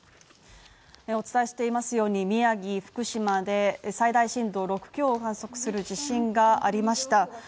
お伝えしていますように宮城・福島で最大震度６強を観測する地震がありました